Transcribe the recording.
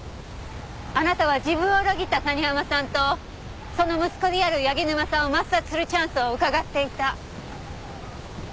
あなたは自分を裏切った谷浜さんとその息子である柳沼さんを抹殺するチャンスをうかがっていた。